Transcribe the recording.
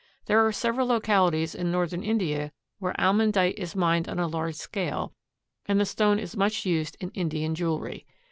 There are several localities in Northern India where almandite is mined on a large scale, and the stone is much used in Indian jewelry.